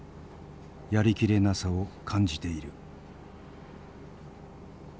やりきれなさを感じている。